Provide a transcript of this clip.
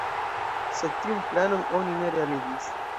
Sed tiun planon oni ne realigis.